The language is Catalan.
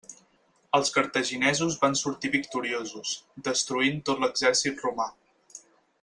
Els cartaginesos van sortir victoriosos, destruint tot l'exèrcit romà.